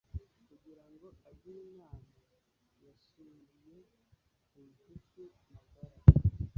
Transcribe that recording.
Kugira ngo agire inama, yashingiye ku nshuti magara.